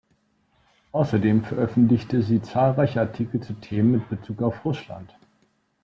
Außerdem veröffentlichte sie zahlreiche Artikel zu Themen mit Bezug auf Russland.